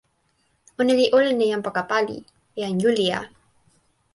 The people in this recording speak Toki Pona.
ona li olin e jan poka pali, e jan Julija.